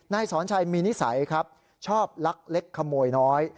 นายสอนชัยมีนิสัยครับชอบลักเล็กขโมยน้อย